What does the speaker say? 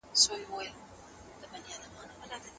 د خاوند او ميرمني شخړي چيري پټي وي؟